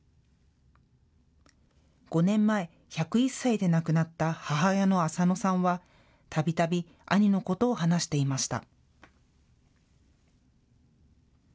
５年前、１０１歳で亡くなった母親のアサノさんは、たびたび兄のことを話していました。